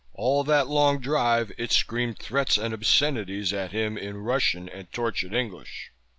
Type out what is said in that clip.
All that long drive it screamed threats and obscenities at him, in Russian and tortured English.